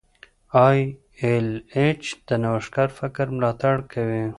ای ایل ایچ د نوښتګر فکر ملاتړ کوي.